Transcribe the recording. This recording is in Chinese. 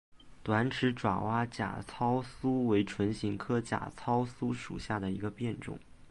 短齿爪哇假糙苏为唇形科假糙苏属下的一个变种。